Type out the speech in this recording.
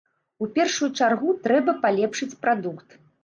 У першую чаргу, трэба палепшыць прадукт.